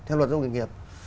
theo luật giáo dục nghề nghiệp